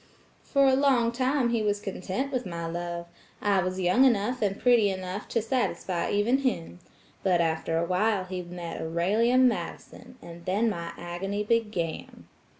For a long time he was content with my love. I was young enough and pretty enough to satisfy even him. But after a while he met Aurelia Madison, and then my agony began."